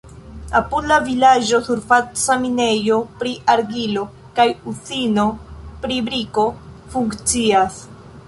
Apud la vilaĝo surfaca minejo pri argilo kaj uzino pri briko funkcias.